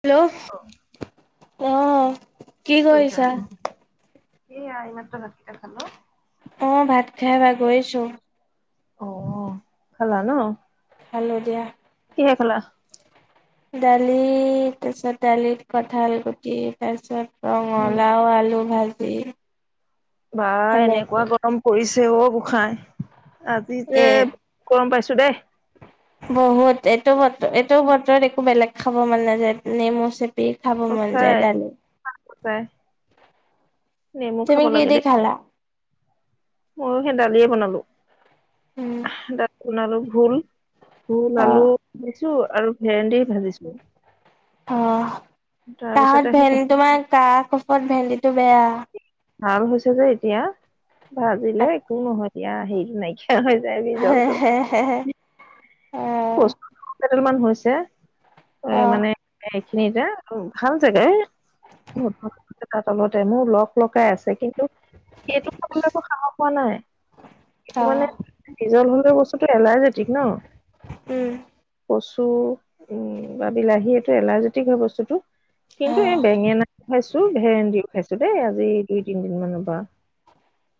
Hello অহ কি কৰিছা। সেইয়া এই মাত্ৰ ভাত খালো আকৌ। অ' ভাত খাই বাগৰিছো। অ' খালা ন'। খালো দিয়া। কিহে খালা। দালি তাৰপিছত দালিত কঠাল গুটি তাৰ পিছত ৰঙালাও, আলু ভাজি। বা এনেকুৱা সেনেকে গৰম পৰিছে অ' গোঁসাই। আজি যে এ গৰম পাইছো দেই। বহুত এইটো বতৰ এইটো বতৰত একো বেলেগ খাব মান নাযায় নেমু চেপি পি খাব মন সঁচাই যায় দালি। সঁচাই নেমু খাব তুমি কি লাগে দেই। দেখালা। ময়ো সেই দালিয়ে বনালো, উম, দালি বনালো ভোল। ভোল আলু অ', ভাজিছো আৰু ভেন্দি ভাজিছো। অ' তাৰপিছতে কাহত সেই ভেন্দি তোমাৰ কাহ-কফত ভেন্দিটো বেয়া। ভাল হৈছে যে এতিয়া, ভাজিলে একো নহয় এতিয়া হেৰিটো নাইকিয়া হৈ যায় হে বিজলটো। হে হে হে অ', কচুকেইডাল মান হৈছে এ অ', মানে খিনিতে ভাল জেগাই ত' তলতে মোৰ লগ লগাই আছে কিন্তু সেইটো খাবলৈ একো সাহস হোৱা নাই। সেইটো অ'। মানে বিজল হ'লে বস্তুটো এলাৰ্জেটিক ন'। উম। কচু উম বা বিলাহী এইটো এলাৰ্জেটিক হয় বস্তুতটো। কিন্তু এই বেঙেনা খাইছো ভেৰেন্দিও। খাইছো দেই আজি দুই তিনদিন মানৰ পৰা।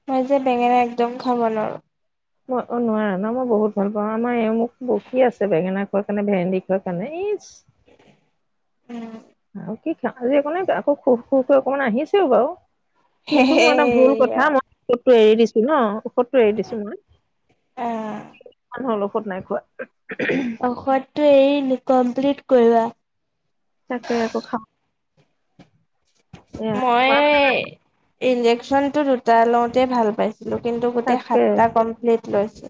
মই যে বেঙেনা একদম খাব নোৱাৰো। ম অ, নোৱাৰা ন মই বহুত ভাল পাও আমাৰ এই মোক বকী আছে বেঙেনা খোৱাৰ কাৰণে ভেণ্ন্দি খোৱাৰ কাৰণে। ইহ উম আৰু কি খ যে এক নাই আকৌ খু - খু অকমান আহিছেও বাৰু। কিন্তু মোৰ এটা ভুল সেয়া কথা মই টো এৰি দিছো ন ঔষধটো এৰি দিছো মই অ', মানলপ ক'ত নাই খোৱা। ঔষধটো এ কমপ্লিট কৰিবা। তাকে আকৌ খাও। মই মাহ ইন্জেকচনতটো দুটা লওতে ভাল পাই। কিন্তু গোটেই তাকে সাতটা কমপ্লিট লৈছিল।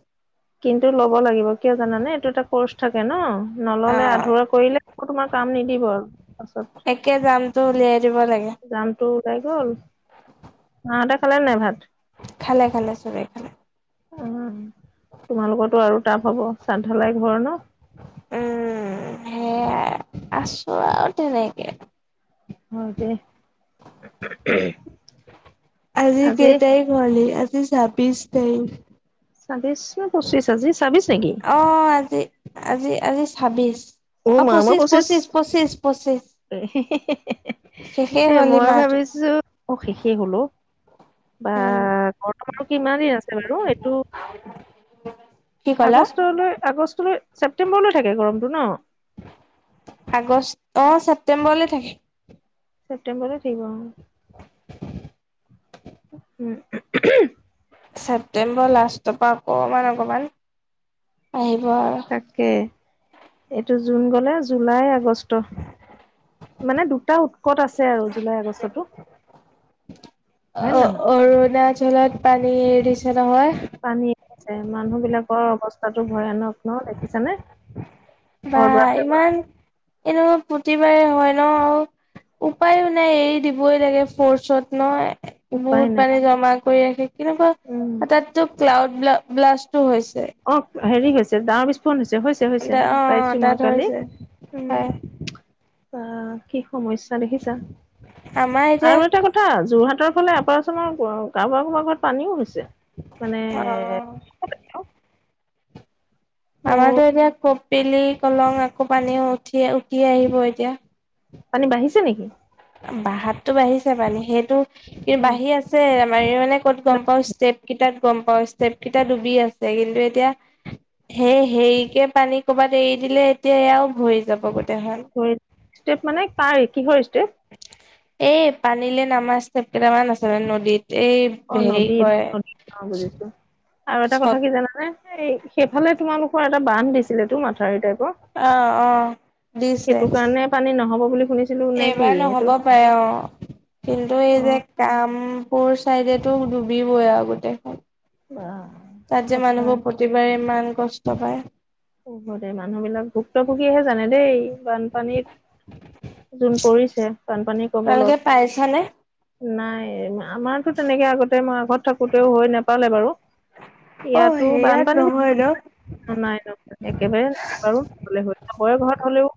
কিন্তু ল'ব লাগিব কিয় জানানে এইটো এটা কৰ্চ থাকে ন। অ নললে আধৰুৱা কৰিলে তোমাৰ কাম নিদিব আৰু ত পাছত। একে জামটো উলিয়াই দিব লাগে জামতটো ওলাই গল মাহতে খালে নাই ভাত? খালে - খালে চব খালে। অ, তোমালোকো আৰু টাপ হব চান্ধালাই ঘৰ ন। উম, সেয়াই আছো আৰু তেনেকে। অ, দে আজি কেই তাৰিখ হ'লি আজি ছাব্বিশ তাৰিখ। ছাব্বিশ নে পচিছ আজি ছাব্বিশ নেকি অ, আজি আজি - আজি ছাব্বিশ। অ, পচিছ - পচিছ - পচিছ - পচিছ। হে - হে - হে - হে, এ হ'ল এই মই মাহটো ভাবিছো অ, শেষেই হল। বা উম গৰম আৰুো কিমান দিন আছে বাৰু এইটো কি ক'লা আগষ্টলৈ - আগষ্টলৈ ছেপ্তেম্বৰলৈ থাকে গৰমতটো ন। আগষ্ট অ, ছেপ্তেম্বৰলে থাকে। ছেপ্টেম্বৰ থাকিব। উম, ছেপ্তেম্বৰ লাষ্টৰ পৰা অকমান - অকমান আহিব। আৰু তাকে। এইটো জুন গ'লে জুলাই আগষ্ট মানে দুটা উম, হয় নে অ, নহয় অৰুণাচলত প নি আৰিছে নহয়। পানীছে মানুহ বিলাকৰ অৱস্থাতো ভয়ানক ন দেখিছানে। বা ঘৰ দুৱাৰ বিলাকৰ ইমান এনে পতিবাৰে হয় ন উপায় নাই এৰি দিবই লাগে ফৰ্চত নহ। উপায় বহুত নাই পানী জমা কৰি ৰাখে উম কেনেকুৱা তাততো ক্লাউড ব্লাষ্টো হৈছে। অ, হেৰি হৈছে তাৰ পিছত ফোন হৈছে - হৈছে - হৈছে দা অ', পাইছো মই তাত কালি হৈছে উম, হয় বা কি সমস্যা দেখিছা। আমাৰ এতিয়া আৰু এটা কথা যোৰহাটৰ ফালে অপাৰচনৰ কাৰোাৰ কাবাক ৰত পানীও হৈছে মানে অ', অ', আমাৰতো এতিয়া কপিলি কলং আকৌ পানী উঠি - উঠি আহিব এতিয়া। পানী বাঢ়িছে নেকি? বাহাততো বাঢ়িছে পানী সেইটো কিন্তু অ' বাহি আছে আমাৰ মানে ক'ত গম পাও ষ্টেপ কেইটাত গম পাও ষ্টেপ কেইটাত ডুবি আছে। কিন্তু এতিয়া সেই হেৰিকে পানী কৰ'বাত এৰি দিলে এতিয়া সয়াও ভৰি যাব গৈ। ভৰিত ষ্টেপ মানে তাই কিহৰ ষ্টেপ? এই পানীলে নামাজ চেপ কেইটামান আছোনে নদীত এই অ হেৰি নদী কয় বুজিছো আৰু এটা কথা চত কি জানানে এই সেইফালে তোমালোকৰ এটা বান্ধ দিছিলে তো মাথাউৰি টাইপ অ', অ', দিছে। সেইটো কাৰণে পানী নহব বুলি শুনিছিলো নে কি এইবাৰ এইটো নহ'ব পাৰে অ কিন্তু এই যে অ', কাম স চাইডেতো ডুবিবই আৰু গোতেেইখন বা তাত যে সঁচাই মানুহবোৰ প্ৰতিবাৰে মান কষ্ট পায় অব দে মানুহ বিলাক ভুক্তভোগীহে জানে দেই বানপানীত যোন কৰিছে বানপানীৰ কবলত তোমালোকে পাইছানে? নাই আমাৰতো তেনেকে আগতে মই আগত থাকোতেও হৈ নোপালে বাৰু অ' ইয়াতো হেৰিয়াত বানপানী নহয় ন? নাই ন একেবাৰোৰলেয়ৰ ঘৰত হলেও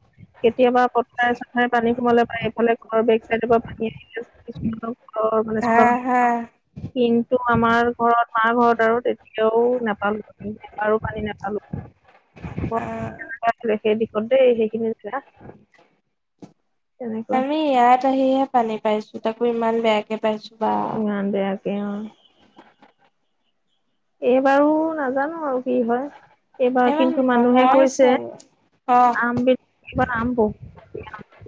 কেতিয়াবা পথাৰে চথাৰে পানী সোমালে পাৰে এইফালে ঘৰৰ বেক চাইডৰ পৰা পানী আহিল অ হা হা। মান টো আমাৰ ঘৰত মা ঘৰত আৰু তেতিয়াও নাপালো পানী আৰু পানী নাপালো খেই দিক দেই সেইখিনি তেনেকুৱা আমি ইয়াত আহিহে পানী পাইছো তাকো ইমান বেয়াকে পাইছো বা। [unintelligible] এইবাৰো নাজানো আৰু কি হয় এইবাৰ ইমান কিন্তু মানুহে নহয় কৈছে চাগে। অ'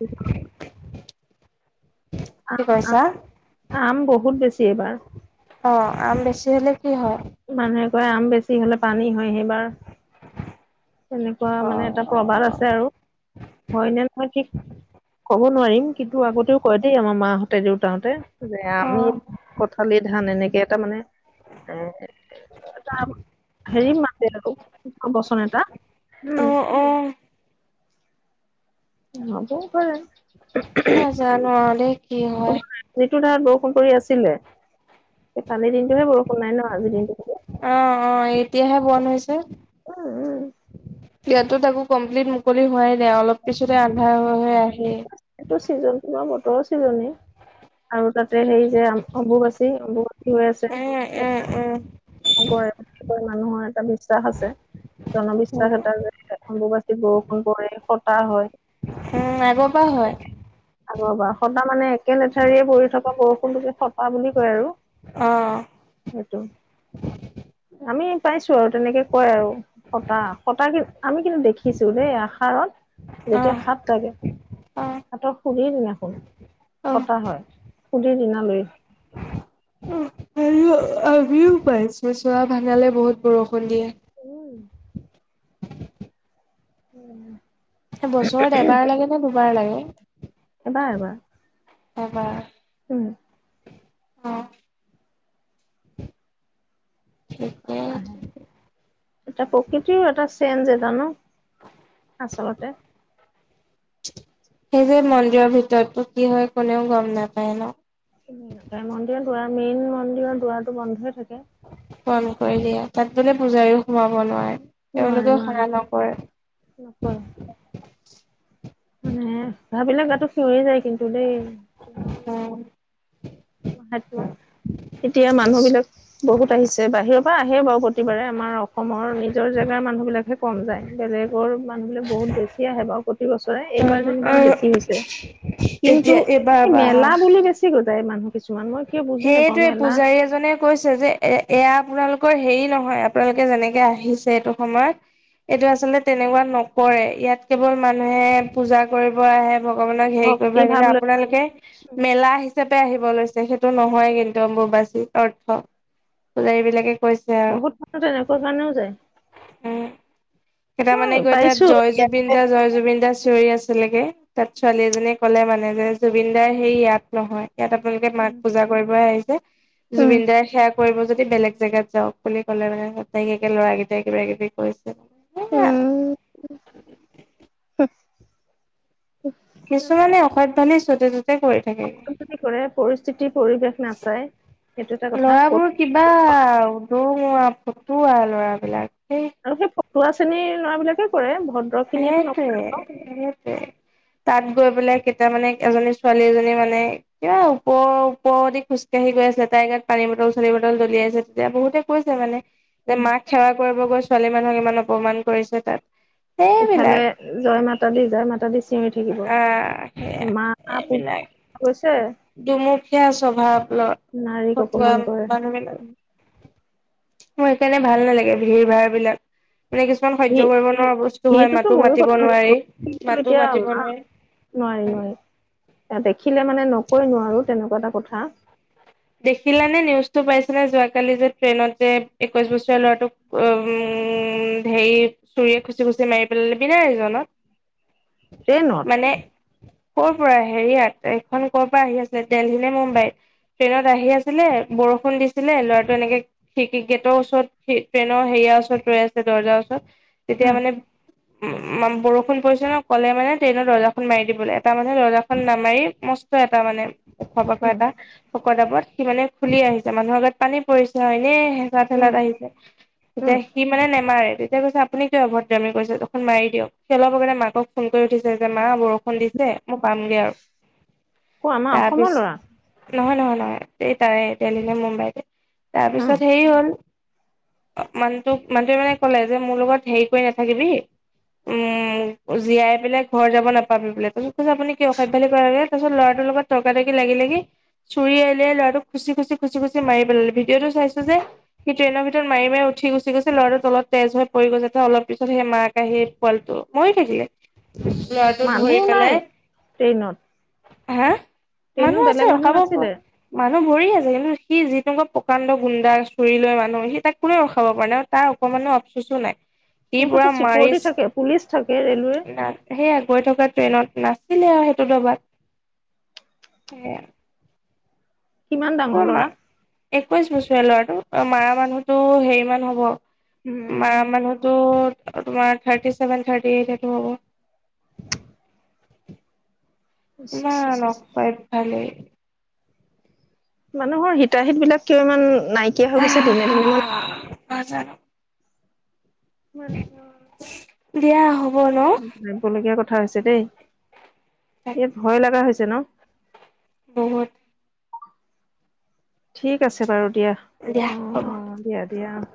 [unintelligible] কি আম আম কৰিছা আম বহুত বেছি এইবাৰ অ আম বেছি হলে কি হয় মানুহে কয় আম বেছি হলে পানী হয় সেইবাৰ তেনেকুৱা অ' মানে এটা প্ৰবাদ অ' আছে আৰু হয়নে নই কিক ক'ব নোৱাৰিম কিন্তু আগতেও কয় দেই আমাৰ মাহঁতে দেউতাহঁতে যে আমি অ' কঠালি ধান এনেকে [unintelligible] [unintelligible] উম অ' অ বৌ ভ [unintelligible] [unintelligible] ফৌন কৰি আছিলে কালি দিনটোহে বৰষুণ নাই ন আজি দিনটো অ অ এতিয়াহে বন হৈছে উম উম ইয়াতো থাকো কমপ্লিট মুকলি হোৱাই নাই অলপ পিছত [unintelligible] এইটো চিজনটো বা [unintelligible] আৰু তাতে সেই উম, [unintelligible] উম, উম। অসমৈ মানুহৰ এটা বিশ্বাস আছে জনবিশ্বাস উম, এটাৰ অম্বো বৰষুণ কৰে ফটা হয় উম আগৰ পৰা হয়। আগৰ পৰা সটা মানে একে লেঠাৰীয়ে পৰি থকা বৰষুণটোকে সটা বুলি কয় আৰু। অ। টো আমি পাই তেনেকে কয় আৰু সতা সতা কি আমি কিন্তু দেখিছো দেই আষাৰত। যেতিয়া অ'। সাত লাগে অ সাতৰ সুৰি দিনাখন অ কটা হয় [unintelligible] অ আৰু আমিও পাইছ চোৱা ভাঙালে বহুত বৰষুণ দিয়ে। উম। উম। এ বছৰত এবাৰ লাগে নে দুবাৰ লাগে। এবাৰ এবাৰ এবাৰ। উম। অহ। ঠিকে। অহ এটা প্ৰকৃতিও এটা চেঞ্জ। জানো আচলতে। সেইটোৱে মন্দিৰৰ ভিতৰতো কি হয় কোনেও গম নাপায় ন। উম নাপায় মন্দিৰৰ দুৱাৰ মেইন মন্দিৰৰ দুৱাৰটো বন্ধই থাকে। বন্ধ কৰি দিয়ে তাত বোলে পূজাৰীও সোমাব নোৱাৰে। নোৱাৰে তেওঁলোকেও নোৱাৰে সেৱা নকৰে। নকৰে মানে ভাবিলে গাটো সিঞৰি যায় কিন্তু দেই। সেইটো এতিয়া মানুহ বিলাক বহুত আহিছে বাহিৰ। প্ৰায় আহে বাৰু প্ৰতিবাৰে। আমাৰ অসমৰ, নিজৰ জেগাৰ মানুহ বিলাকহে কম যায়। বেলেগৰ মানুহবিলাক বহুত বেছি আহে বাৰু প্ৰতি বছৰে। এইবাৰ যেনিবা বেছি তেতিয়া হৈছে। কিন্তু, এইবাৰ এই, বা মেলা বুলি বেছি গৈ ছে মানুহ কিছুমান। মই সেইটোৱে! পূজাৰী এজনে কৈছে যে, এ, এয়া আপোনালোকৰ সেই নহয়, আপোনালোকে যেনেকে আহিছে এইটো সময়ত। এইটো আচলতে, তেনেকুৱা নকৰে। ইয়াত, কেৱল মানুহে পূজা কৰিব আহে। ভগৱানক, সেৰি কৰিব ভক্তি আহে। ভাৱ কিন্তু লৈ আপোনালোকে, মেলা হিচাপে আহিব লৈছে, সেই টো নহয় কিন্তু, অম্বুবাচী অৰ্থ। পূজাৰীবিলাকে বহুত মানুহ, এনেকুৱা কাৰণেও যায়। উম কেইটা মই মানে, গৈ তাত, পাইছো জয় জুবিন ইয়াতে দা-জয় জুবিন জুব দা চিঞৰি আছিলেগে। তাত, ছোৱালী এজনীয়ে ক'লে মানে যে, জুবিন দা সেই, ইয়াত নহয়। ইয়াত, আপোনালোকে উম মাক পূজা কৰিব আহিছে। উম, জুবিন দায়ে সেৱা কৰিব যদি যদি বেলেগ জেগাত যাওঁক বুলি ক'লেই মানে। তাইক ল'ৰাকেইটাই কিবা-কিবি কৈছে! উম, উম। কিছুমানে, অসভ্যালি যতে-ত [unintelligible] কৰে, পৰিস্থিতি-পৰিৱেশ নাচায়। ল'ৰাবোৰ কিবা, দোঙোৱা-ফটুৱা ল'ৰাবিলাক। আৰু সেই, ফটুৱা শ্ৰেণীৰ ল'ৰাবিলাক সেইটোৱে-সেইটোৱে। তাত গৈ পেলাই, কেইটা মানে, এজনী ছোৱালী, এজনী মানে, কিবা ওপৰ-ওপৰদি খোজকাঢ়ি গৈ তাই গাত পানী বটল-চানি বটল দলিয়াইছে। তেতিয়া, বহুতে কৈছে মানে, যে, উম, মাক সেৱা কৰিব গৈ, ছোৱালী মানুহক ইমান অপমান কৰিছে তাত। ইফালে সেইবিলাক জয় মাতা দি-জয় মাতা দি চিঞৰি থাকিব। আহ সেয়া মা এইবিলাক [unintelligible] কৈছে দুমুখীয়া স্বভাৱ ল [inaudible] নাৰীক ফটুৱা অপমান কৰে মানুহবিলাক মোৰ সেইকাৰণে ভাল নালাগে ভিৰ ভাৰ বিলাক। মানে কিছুমান সি সহ্য কৰিব নোৱাৰা বস্তু হয় সেইটোতো মাতো ময়ো মাতিব কথা নোৱাৰি-মাতো মাতি নোৱাৰি। নোৱাৰি-নোৱাৰি এ দেখিলে মানে নকৈ নোৱাৰো তেনেকুৱা এটা কথা। দেখিলানে নিউজটো পাইছে নে যোৱা কালি যে ট্ৰেইনত যে একৈশ বছৰীয়া ল'ৰাটোক [unintelligible] উম, ধেৰি চুৰিয়ে খুচি-খুচি মাৰি পেলালে বি [unintelligible] ট্ৰেইনত? কৰ' পৰা হেৰিয়াত এইখন কৰ পৰা আহি আছে দেলহি নে মুম্বাই? ট্ৰেইনত আহি আছিলে বৰষুণ দিছিলে ল'ৰাটো এনেকে খিৰকি গেটৰ ওচৰত ট্ৰেইনৰ হেৰিয়া [unintelligible] ওচৰত ৰৈ আছে দৰ্জাৰ ওচৰত তেতিয়া উম, মানে উম, মাম বৰষুণ পৰিছে ন' ক'লে মানে ট্ৰেইনৰ দৰ্জাখন মাৰি দিবলে এটা মানুহে দৰ্জাখন নামাৰি মস্ত এটা মানে খাব পাই উম, পাই, শকত-আবত, সি মানে খুলি আহিছে, মানুহৰ গাত পানী পৰিছে হয়নে? উম, [unintelligible] আহিছে, উম, এতিয়া সি মানে নেমাৰে সি কৈছে আপুনি কিয় অভদ্ৰামি কৰিছে, এইখন মাৰি দিয়ক। সি অলপ আগতে মাকক ফোন কৰি উঠিছেহে যে মা বৰষুণ দিছে মই পামগে আৰু অ' আমাৰ তাৰপিছ অসমৰ ল'ৰা? নহয়, নহয়, নহয়। এই তাৰেই, ডেলহি নে মুম্বাইৰ। উম। তাৰপিছত হেৰি হ'ল মানুহটোক, মানুহটোৱে মানে কলে যে মোৰ লগত হেৰি কৰি নাথাকিবি উম, জীয়াই পেলাই ঘৰ যাব নাপাবি বোলে‌‌ [unintelligible] আপুনি কি অসভ্যালি কৰে‌ ৰে তাৰছত ল'ৰাটো টোৰ লগত তৰ্কা তৰ্কি লাগি লাগি চুৰিৱে উলিয়াই ল'ৰাটোক‌ খুচি খুচি খুচি খুচি মাৰি পেলালে। ভিডিঅ'টো চাইছো যে, সি ট্ৰেইনৰ ভিতৰত মাৰি মাৰি উঠ উঠি গুচি গৈছে, ল'ৰাটো তলত তেজ হৈ পৰি গৈছে। তাৰ অলপ‌ পিছত সেই মাক আহি পোৱালীটো, মৰি থাকিলে। ল'ৰাটো মানুহো ধৰি নাই পেলাই ট্ৰেইনত হা, ট্ৰেইনত মানুহ আছে। বেলেগ নাছিলে [unintelligible] মানুহ ভৰি আছে, কিন্তু সি [unintelligible] প্ৰকাণ্ড গুণ্ডাৰ চুৰি লৈ মানুহ, সি তাক কোনেও ৰখাব পৰা নাই তাৰ অকণমানো আফচুচো নাই। সি পুৰা সিহঁততো চিকিউৰিটি মাৰিচ, থাকে পুলিচ থাকে ৰেলৱে নাই সেইয়া গৈ থকা ট্ৰেইনত না আছিলে আৰু সেইটো দবাত, সেয়া কিমান ডাঙৰ [unintelligible] ল'ৰা একৈচ বছৰীয়া ল'ৰাটো, মাৰা মানুহতো হেৰি মান হ'ব মাৰা মানুহতো তোমাৰ থাৰ্টি চছেভেন, থাৰ্টি এইট এইটো হ'ব। ইমান অস্যভালি। মানুহৰ হিতাহিত বিলাক কিয় ইমান নাইকিয়া হৈ গৈছে দিনে, দিনে মই নাজানোঁ। [unintelligible] [unintelligible] ভাবিব লগীয়া কথা হৈছে দেই, তাক ইয়াত ভয় লাগা হৈছে ন? বহুত। ঠিক আছে বাৰু দিয়া, দিয়া হ'ব অ', দিয়া, দিয়া অ'।